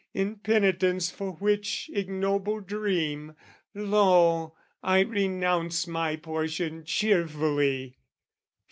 "In penitence for which ignoble dream, "Lo, I renounce my portion cheerfully!